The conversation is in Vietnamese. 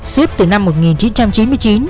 xếp từ năm một nghìn chín trăm chín mươi chín